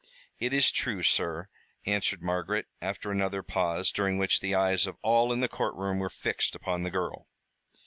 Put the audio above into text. "It is true, sir," answered Margaret, after another pause, during which the eyes of all in the courtroom were fixed upon the girl.